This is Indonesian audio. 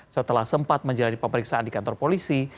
setelah sempat menjalani pemeriksaan di kantor polisi